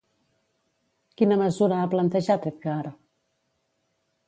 Quina mesura ha plantejat Edgar?